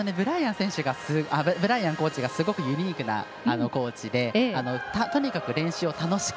ブライアンコーチがすごいユニークなコーチでとにかく練習を楽しく。